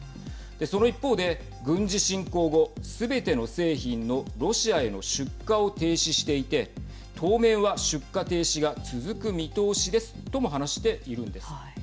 その一方で、軍事侵攻後すべての製品のロシアへの出荷を停止していて当面は出荷停止が続く見通しですとも話しているんです。